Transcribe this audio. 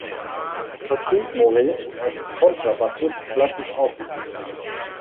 Patrice Moret ist als Kontrabassist klassisch ausgebildet.